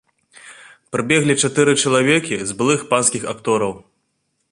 Прыбеглі чатыры чалавекі з былых панскіх актораў.